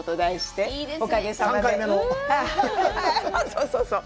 そう、そう。